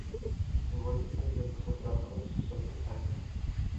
Igualmente realizó trabajos sobre algas.